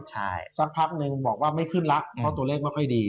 ใช่สักพักนึงบอกว่าไม่ขึ้นแล้วเพราะตัวเลขไม่ค่อยดี